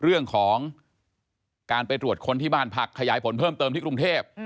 เรื่องของการไปตรวจคนที่บ้านพักขยายผลเพิ่มเติมที่กรุงเทพ